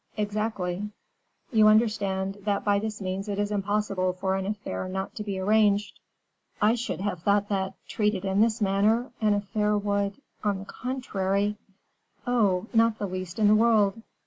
"Exactly." "You understand that by this means it is impossible for an affair not to be arranged." "I should have thought that, treated in this manner, an affair would, on the contrary " "Oh! not the least in the world.